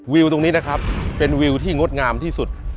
วิวตรงนี้นะครับเป็นวิวที่งดงามที่สุด